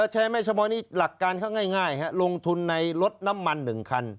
แชร์แม่ชโมยนี่หลักการเขาง่ายลงทุนในลดน้ำมันหนึ่งคัน